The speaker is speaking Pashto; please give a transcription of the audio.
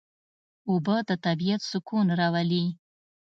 اوبه د طبیعت سکون راولي.